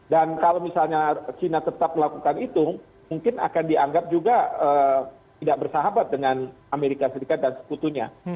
dan kalau misalnya china tetap melakukan itu mungkin akan dianggap juga tidak bersahabat dengan amerika serikat dan sekutunya